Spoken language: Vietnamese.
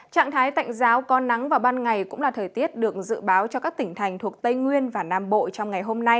trạng thái tạnh giáo con nắng và ban ngày cũng là thời tiết được dự báo cho các tỉnh thành thuộc tây nguyên